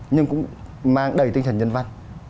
nhưng cũng mang đầy tinh thần nhân văn